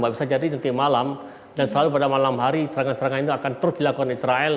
bisa jadi nanti malam dan selalu pada malam hari serangan serangan itu akan terus dilakukan israel